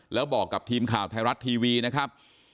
แล้วบอกกับทีมข่าวไทยรัฐทีวีนะครับ